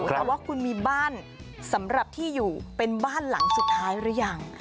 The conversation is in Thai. แต่ว่าคุณมีบ้านสำหรับที่อยู่เป็นบ้านหลังสุดท้ายหรือยัง